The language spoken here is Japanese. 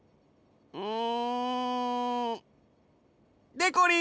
でこりん！